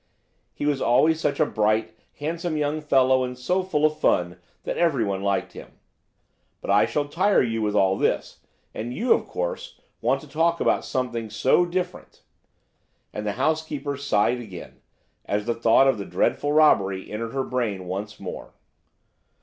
He was always such a bright, handsome young fellow and so full of fun, that everyone liked him. But I shall tire you with all this; and you, of course, want to talk about something so different;" and the housekeeper sighed again, as the thought of the dreadful robbery entered her brain once more.